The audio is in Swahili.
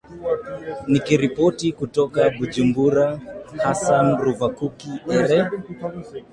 nikiripoti kutoka bujumbura hasan ruvakuki ere